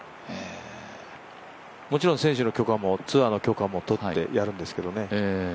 もちろん選手の許可もツアーの許可も取ってやるんですけどね。